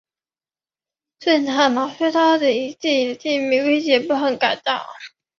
荀采拿出刀子以自己的性命威胁不肯改嫁。